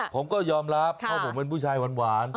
ผมก็ยอมรับเพราะผมเป็นผู้ชายหวาน